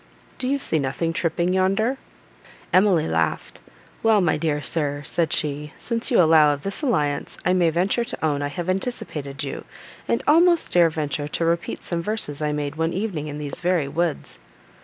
Do you see nothing tripping yonder?" Emily laughed. "Well, my dear sir," said she, "since you allow of this alliance, I may venture to own I have anticipated you; and almost dare venture to repeat some verses I made one evening in these very woods."